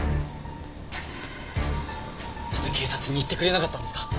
なぜ警察に言ってくれなかったんですか？